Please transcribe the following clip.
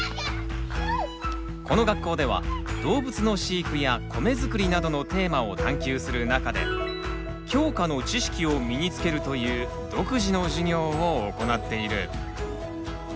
この学校では動物の飼育や米作りなどのテーマを探究する中で教科の知識を身につけるという独自の授業を行っている。